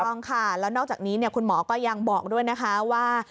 ต้องค่ะแล้วนอกจากนี้คุณหมอก็ยังบอกด้วยนะคะว่า